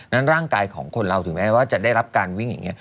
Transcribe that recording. ร่างกายของคนเราถึงแม้ว่าจะได้รับการวิ่งอย่างนี้